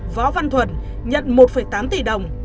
võ văn thuận nhận một tám tỷ đồng